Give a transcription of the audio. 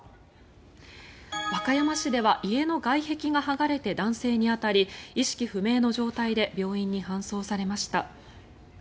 和歌山市では家の外壁が剥がれて男性に当たり意識不明の状態で病院に搬送されました。